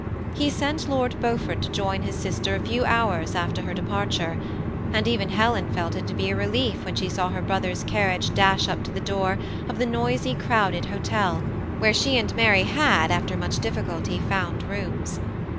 He sent Lord Beaufort to join his sister a few hours afler her departure ; and even Helen felt it to be a relief when she saw her brother's carriage dash np to the door of the noisy, crowded hotel, where she and Mary had, aHer much difficulty, found rooms.